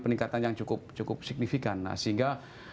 peningkatan yang cukup signifikan nah sehingga